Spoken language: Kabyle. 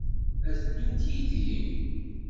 Ad ddunt yid-i?